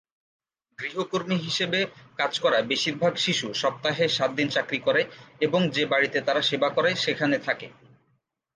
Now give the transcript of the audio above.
গৃহকর্মী হিসেবে কাজ করা বেশিরভাগ শিশু সপ্তাহে সাত দিন চাকরি করে এবং যে বাড়িতে তারা সেবা করে সেখানে থাকে।